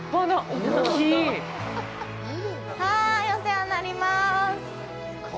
お世話になります。